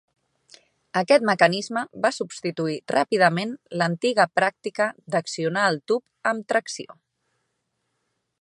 Aquest mecanisme va substituir ràpidament l'antiga pràctica d'accionar el tub amb tracció.